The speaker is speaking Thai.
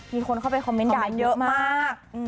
มีคนเข้าไปคอมเมนต์ด่าเยอะมาก